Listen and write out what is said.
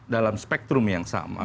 dalam spektrum yang sama